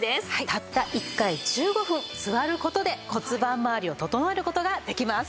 たった１回１５分座る事で骨盤まわりを整える事ができます。